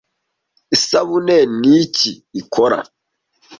Isabune ni iki ikora